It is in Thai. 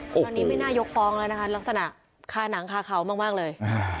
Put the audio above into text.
ตอนนี้ไม่น่ายกฟ้องแล้วนะคะลักษณะคาหนังคาเขามากเลย